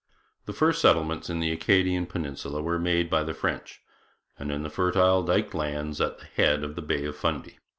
The first settlements in the Acadian peninsula were made by the French, in the fertile diked lands at the head of the Bay of Fundy.